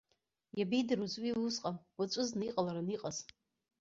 Иабеидыруаз уи усҟан уаҵәызны иҟалараны иҟаз.